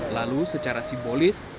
lalu secara simbolis